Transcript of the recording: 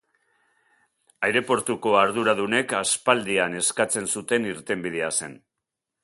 Aireportuko arduradunek aspaldian eskatzen zuten irtenbidea zen.